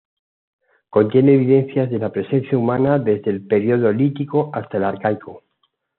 Contiene evidencias de la presencia humana desde el período lítico hasta el arcaico.